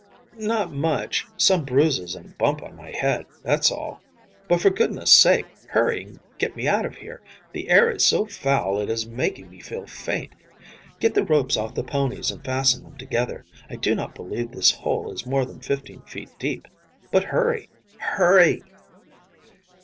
"Not much; some bruises, and a bump on my head, that's all. But, for goodness sake, hurry and get me out of here. The air is so foul it is making me feel faint. Get the ropes off the ponies, and fasten them together. I do not believe this hole is more than fifteen feet deep. But hurry, hurry!"